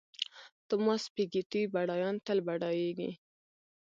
توماس پیکیټي بډایان تل بډایېږي.